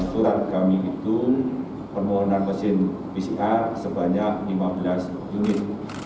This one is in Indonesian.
surat kami itu permohonan mesin pcr sebanyak lima belas unit